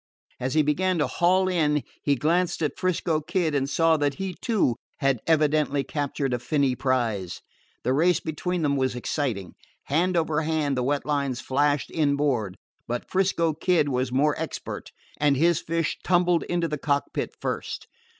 As he began to haul in he glanced at 'Frisco Kid and saw that he too had evidently captured a finny prize. The race between them was exciting. Hand over hand the wet lines flashed inboard. But 'Frisco Kid was more expert, and his fish tumbled into the cockpit first.